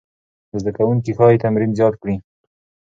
زده کوونکي ښايي تمرین زیات کړي.